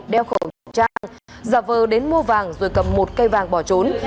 đeo khẩu trang giả vờ đến mua vàng rồi cầm một cây vàng bỏ trốn